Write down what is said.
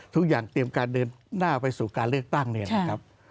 เตรียมการเดินหน้าไปสู่การเลือกตั้งเนี่ยนะครับ